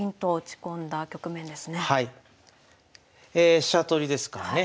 飛車取りですからね